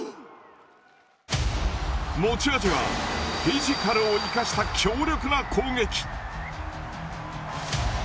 持ち味はフィジカルを活かした強力な攻撃。